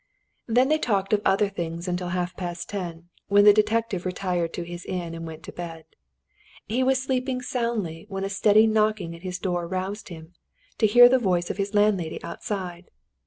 Then they talked of other things until half past ten, when the detective retired to his inn and went to bed. He was sleeping soundly when a steady knocking at his door roused him, to hear the voice of his landlady outside.